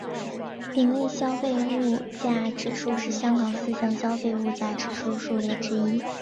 丙类消费物价指数是香港四项消费物价指数数列之一。